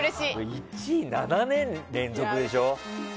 １位、７年連続でしょ？